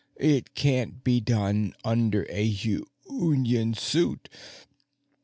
It can't be done under a union suit.